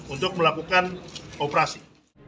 untuk melakukan operasi